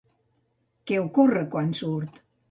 Què ocorre quan surt?